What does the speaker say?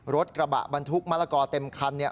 รถกระบะบรรทุกมะละก่อเต็มคัน